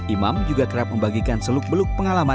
imam juga kerap membagikan seluk beluk pengalaman